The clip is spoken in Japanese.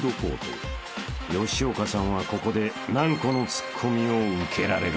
［吉岡さんはここで何個のツッコミを受けられるのか？］